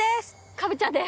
カブちゃんです。